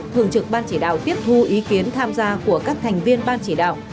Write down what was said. thường trực ban chỉ đạo tiếp thu ý kiến tham gia của các thành viên ban chỉ đạo